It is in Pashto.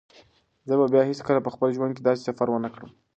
زه به بیا هیڅکله په خپل ژوند کې داسې سفر ونه کړم.